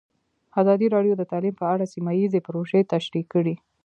ازادي راډیو د تعلیم په اړه سیمه ییزې پروژې تشریح کړې.